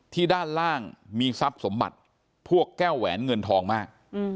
ด้านล่างมีทรัพย์สมบัติพวกแก้วแหวนเงินทองมาก